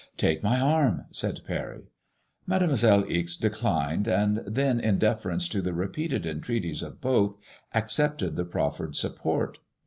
•* Take my arm," said Parry, Mademoiselle Ixe declined, and then, in deference to the repeated entreaties of both, accepted the proffered support.